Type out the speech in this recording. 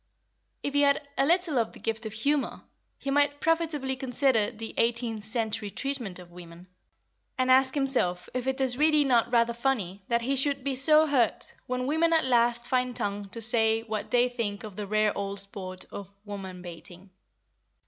If he had a little of the gift of humour, he might profitably consider the eighteenth century treatment of women, and ask himself if it is really not rather funny that he should be so hurt when women at last find tongue to say what they think of the rare old sport of woman baiting.